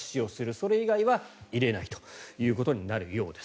それ以外は入れないとなるようです。